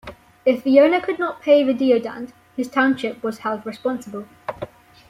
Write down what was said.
If the owner could not pay the deodand, his township was held responsible.